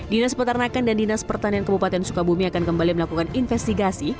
dinas peternakan dan dinas pertanian kabupaten sukabumi akan kembali melakukan investigasi